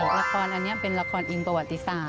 ละครอันนี้เป็นละครอิงประวัติศาสต